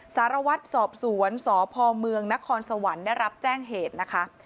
สารวัตรสอบสวนสพเมืองนครสวรรค์ได้รับแจ้งเหตุนะคะ